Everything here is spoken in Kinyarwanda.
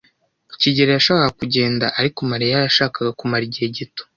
kigeli yashakaga kugenda, ariko Mariya yashakaga kumara igihe gito.